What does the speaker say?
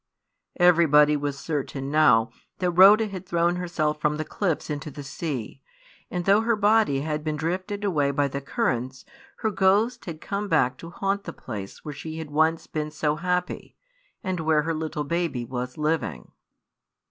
Everybody was certain now that Rhoda had thrown herself from the cliffs into the sea; and though her body had been drifted away by the currents, her ghost had come back to haunt the place where she had once been so happy, and where her little baby was living.